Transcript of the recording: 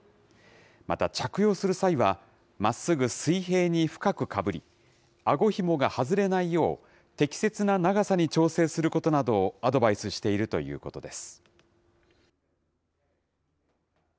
また着用する際は、まっすぐ水平に深くかぶり、あごひもが外れないよう、適切な長さに調整することなどをアドバイスしているということです。